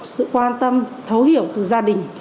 sự quan tâm thấu hiểu từ gia đình